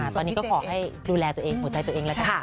ตอนนี้ก็ขอให้ดูแลตัวเองหัวใจตัวเองแล้วกัน